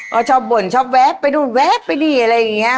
ก็ชอบบ่นชอบแวะไปนู่นแวะไปนี่อะไรอย่างนี้